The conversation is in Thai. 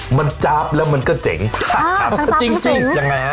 มันจ๊าบแล้วมันก็เจ๋งครับจริงจริงยังไงฮะ